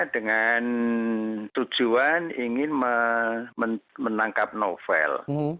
dengan tujuan ingin menangkap novel